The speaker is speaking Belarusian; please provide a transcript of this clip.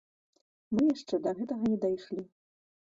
Мы яшчэ да гэтага не дайшлі.